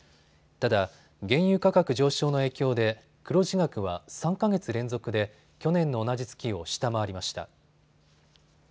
ただ原油価格上昇の影響で黒字額は３か月連続で去年の同じ月を下回りました。